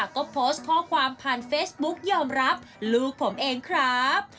ก็โพสต์ข้อความผ่านเฟซบุ๊กยอมรับลูกผมเองครับ